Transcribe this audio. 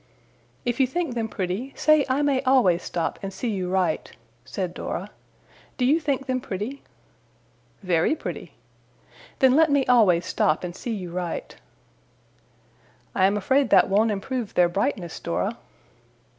'If you think them pretty, say I may always stop, and see you write!' said Dora. 'Do you think them pretty?' 'Very pretty.' 'Then let me always stop and see you write.' 'I am afraid that won't improve their brightness, Dora.